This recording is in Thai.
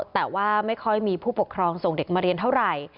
แต่ว่าไม่ค่อยมีผู้ปกครองส่งเด็กมาเรียนเท่าไหร่